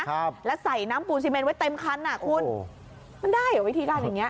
ครับแล้วใส่น้ำปูซีเมนไว้เต็มคันอ่ะคุณมันได้เหรอวิธีการอย่างเงี้